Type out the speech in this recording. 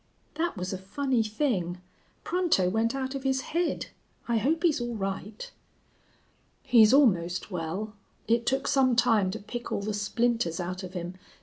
"That was a funny thing. Pronto went out of his head. I hope he's all right." "He's almost well. It took some time to pick all the splinters out of him.